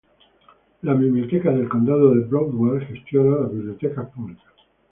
La Biblioteca del Condado de Broward gestiona las bibliotecas públicas.